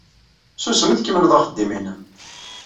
Susem, tkemmled axeddim-nnem.